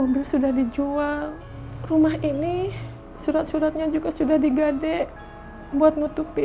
bisnisnya masih seperti dulu